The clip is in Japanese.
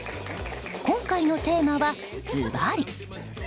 今回のテーマは、ずばり。